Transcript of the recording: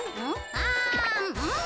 あん。